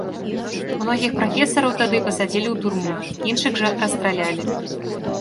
Многіх прафесараў тады пасадзілі ў турму, іншых жа расстралялі.